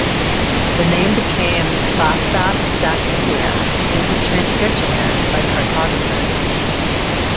The name became "Bassas da India" due to transcription errors by cartographers.